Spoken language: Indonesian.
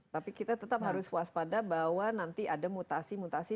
tapi kita tetap harus waspada bahwa nanti ada mutasi mutasi